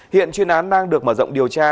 hiện chuyên án đang được mở rộng điều tra